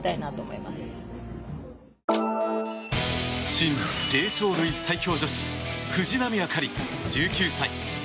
新霊長類最強女子藤波朱理、１９歳。